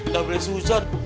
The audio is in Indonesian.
gak boleh susun